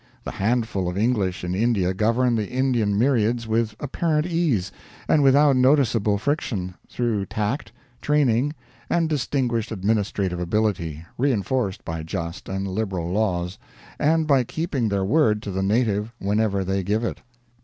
The handful of English in India govern the Indian myriads with apparent ease, and without noticeable friction, through tact, training, and distinguished administrative ability, reinforced by just and liberal laws and by keeping their word to the native whenever they give it.